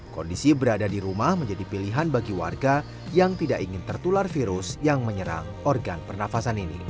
kondisi berada di rumah menjadi pilihan bagi warga yang tidak ingin tertular virus yang menyerang organ pernafasan ini